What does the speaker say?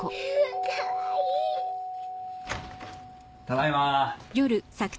ただいま。